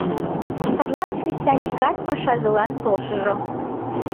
Садлан кресаньыкат пашазылан полшыжо.